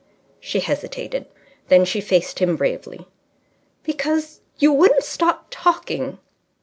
She hesitated. Then she faced him bravely. "Because you wouldn't stop talking."